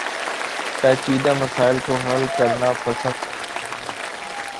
پیچیدہ مسائل کو حل کرنا پسند کرتا ہوں